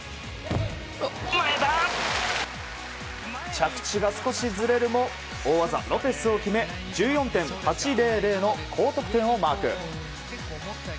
着地が少しずれるも大技、ロペスを決め１４．８００の高得点をマーク。